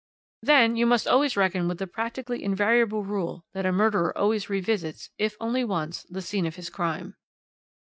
"Then you must always reckon with the practically invariable rule that a murderer always revisits, if only once, the scene of his crime.